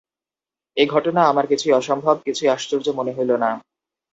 এ ঘটনা আমার কিছুই অসম্ভব, কিছুই আশ্চর্য মনে হইল না।